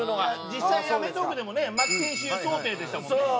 実際『アメトーーク』でもね牧選手想定でしたもんね。